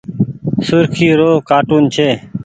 سرکي رو ڪآٽون ڇي۔